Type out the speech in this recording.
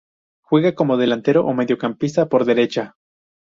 Juega como delantero o mediocampista por derecha.